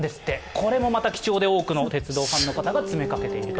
これもまた基調で多くの鉄道ファンの方が詰めかけていると。